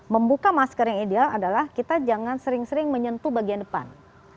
membuka masker yang ideal adalah kita jangan sering sering menyentuh bagian depan